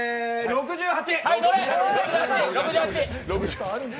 ６８。